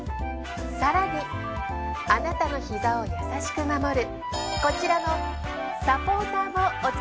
更にあなたのひざを優しく守るこちらのサポーターもお付けします。